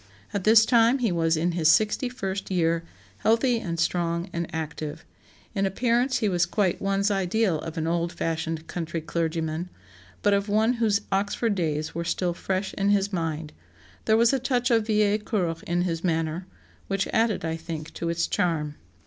At this time he was in his sixty first year, healthy and strong and active.... In appearance he was quite one's ideal of an old fashioned country clergyman, but of one whose Oxford days were still fresh in his mind; there was a touch of vieille cour in his manner, which added, I think, to its charm.